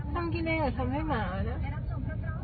ทำกิเนหน์หรือทำให้หมาอะนะ